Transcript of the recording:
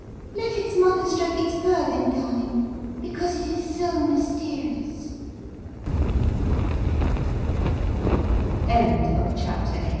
"Let its mother stroke its fur then, darling, because it is so mysterious—" CHAPTER XIX.